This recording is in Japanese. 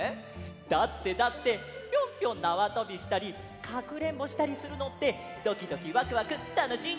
だってだってぴょんぴょんなわとびしたりかくれんぼしたりするのってドキドキワクワクたのしいんだもん！